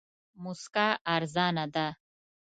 موسکا ارزانه ده.